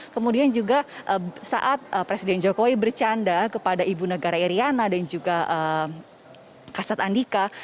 kemudian juga saat presiden jokowi bercanda kepada ibu negara iryana dan juga kasat andika